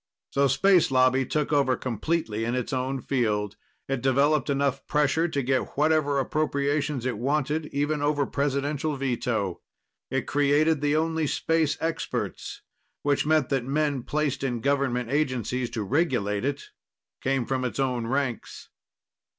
So Space Lobby took over completely in its own field. It developed enough pressure to get whatever appropriations it wanted, even over Presidential veto. It created the only space experts, which meant that the men placed in government agencies to regulate it came from its own ranks.